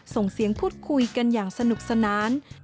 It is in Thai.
ส่งเสียงพูดคุยกันอย่างสนุกสนาน